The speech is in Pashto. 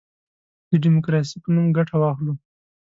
د ډیموکراسی په نوم ګټه واخلو.